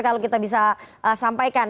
kalau kita bisa sampaikan